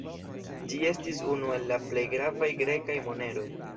Ĝi estis unu el la plej gravaj grekaj moneroj.